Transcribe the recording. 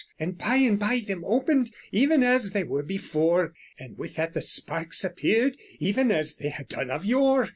And by and by them opened, even as they were before; With that the sparkes appeared, even as they had done of yore.